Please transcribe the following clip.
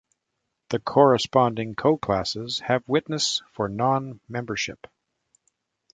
The corresponding co-classes have witness for non-membership.